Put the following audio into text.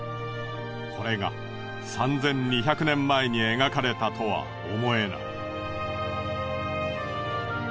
これが３２００年前に描かれたとは思えない。